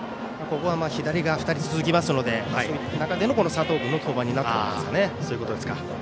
ここは左側、２人続きますのでそういった中での佐藤君の登板になってきますね。